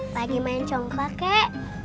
lagi main congkak kek